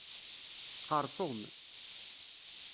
Xerṣum.